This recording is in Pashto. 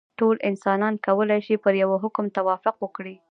ټول انسانان کولای شي پر یوه حکم توافق وکړي.